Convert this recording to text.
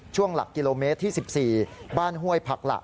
หลักกิโลเมตรที่๑๔บ้านห้วยผักหละ